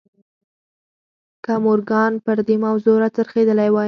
که مورګان پر دې موضوع را څرخېدلی وای.